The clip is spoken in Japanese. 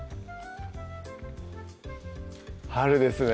春ですね